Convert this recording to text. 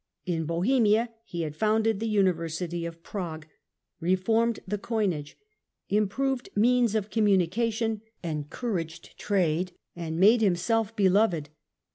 In Bohemia he had founded the University of Prague, reformed the coinage, improved means of communica tion, encouraged trade and made himself beloved.